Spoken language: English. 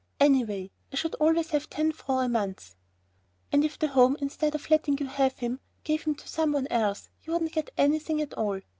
"Anyway, I should always have ten francs a month." "And if the Home, instead of letting you have him, gave him to some one else, you wouldn't get anything at all.